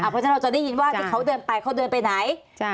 เพราะฉะนั้นเราจะได้ยินว่าที่เขาเดินไปเขาเดินไปไหน